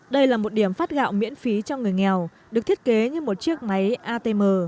đây là một điểm phát gạo miễn phí cho người nghèo được thiết kế như một chiếc máy atm